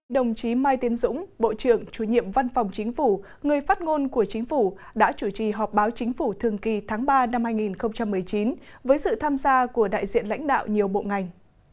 đồng chí mai tiến dũng bộ trưởng chủ nhiệm văn phòng chính phủ người phát ngôn của chính phủ đã chủ trì họp báo chính phủ thường kỳ tháng ba năm hai nghìn một mươi chín với sự tham gia của đại diện lãnh đạo nhiều bộ ngành